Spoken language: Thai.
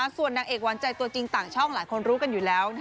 ส่วนนางเอกหวานใจตัวจริงต่างช่องหลายคนรู้กันอยู่แล้ว